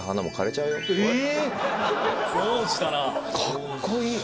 かっこいい！